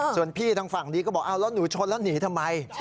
ส่วนพี่ทางฝั่งนี้ก็บอกเอาแล้วหนูชนแล้วหนีทำไม